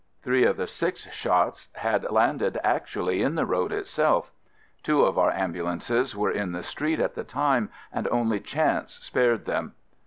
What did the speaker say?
Three of the six shots had landed actually in the road itself. Two of our ambulances were in the street at the time and only chance spared them.